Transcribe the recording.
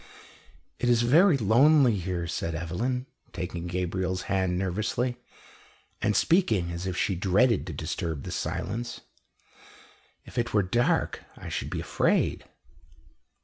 "It is very lonely here," said Evelyn, taking Gabriel's hand nervously, and speaking as if she dreaded to disturb the silence. "If it were dark, I should be afraid."